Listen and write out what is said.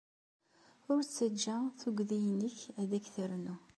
Ur ttajja tugdi-nnek ad k-ternu.